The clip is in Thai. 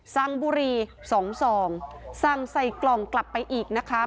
สั่งบุรี๒ซองสั่งใส่กล่องกลับไปอีกนะคะ